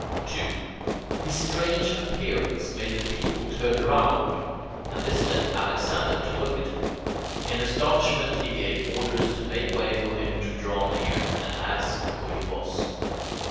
2. His strange appearance made the people turn round, and this led Alexander to look at him. In astonishment he gave orders to make way for him to draw near, and asked who he was.